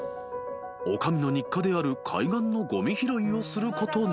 ［女将の日課である海岸のごみ拾いをすることに］